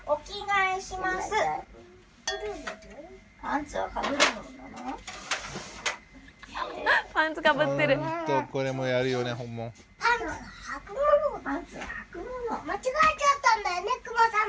ほんとこれもやるよね。